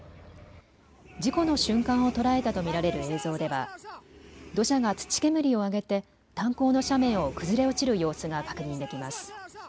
事故の瞬間を捉えたと見られる映像では土砂が土煙を上げて炭鉱の斜面を崩れ落ちる様子が確認できます。